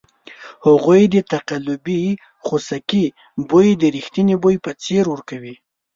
هغوی د تقلبي خوسکي بوی د ریښتني بوی په څېر ورکول.